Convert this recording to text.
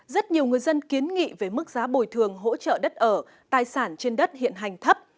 rất nhiều người dân kiến nghị về mức giá bồi thường hỗ trợ đất ở tài sản trên đất hiện hành thấp